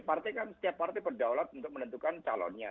partai kan setiap partai berdaulat untuk menentukan calonnya